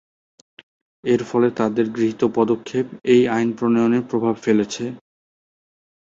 এর ফলে তাদের গৃহীত পদক্ষেপ এই আইন প্রণয়নে প্রভাব ফেলেছে।